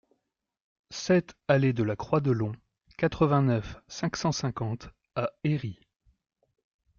sept allée de la Croix de Long, quatre-vingt-neuf, cinq cent cinquante à Héry